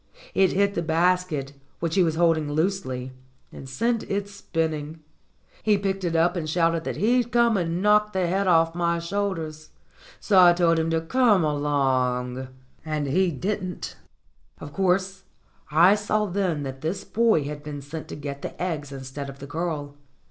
It hit the basket, which he was holding loose ly, and sent it spinning. He picked it up, and shouted that he'd come and knock the head off my shoulders. So I told him to come along, and he didn't. Of course, I saw then that this boy had been sent to get the eggs instead of the girl.